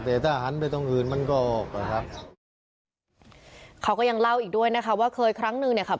แต่ถ้าหันไปตรงอื่นมันก็ประทับเขาก็ยังเล่าอีกด้วยนะคะว่าเคยครั้งนึงเนี่ยขับ